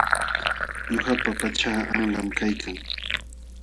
Ñuqapa pachaa qanlam kaykan.